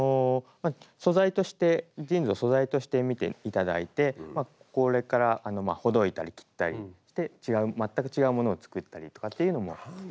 素材としてジーンズを素材として見て頂いてこれからほどいたり切ったりして全く違うものを作ったりとかっていうのもはい。